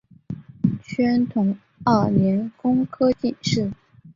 宣统二年工科进士。